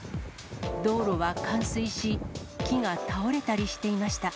道路は冠水し、木が倒れたりしていました。